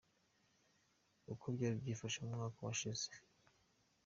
Uko byari byifashe mu mwaka washize:.